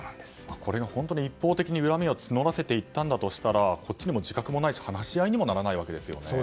これが本当に一方的に恨みを募らせていったんだとしたらこっちにも自覚がないし話し合いにもならないですよね。